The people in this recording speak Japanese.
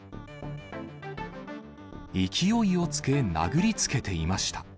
勢いをつけ殴りつけていました。